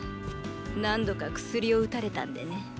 何度か薬を打たれたんでね。